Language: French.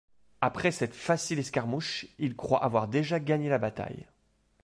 Après cette facile escarmouche, ils croient avoir déjà gagné la bataille.